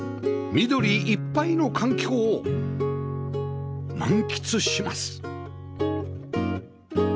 緑いっぱいの環境を満喫します